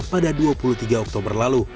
pada dua puluh tiga oktober lalu